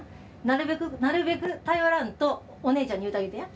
なるべくなるべく頼らんとお姉ちゃんに言うてあげてや。